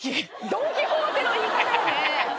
ドン・キホーテの言い方やね。